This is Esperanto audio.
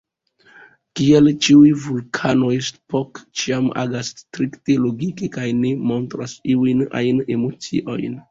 Kiel ĉiuj vulkanoj, Spock ĉiam agas strikte logike kaj ne montras iujn ajn emociojn.